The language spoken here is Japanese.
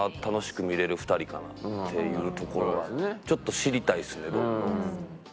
ちょっと知りたいですねどんどん。